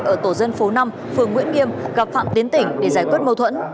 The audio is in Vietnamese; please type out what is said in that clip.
ở tổ dân phố năm phường nguyễn nghiêm gặp phạm tiến tỉnh để giải quyết mâu thuẫn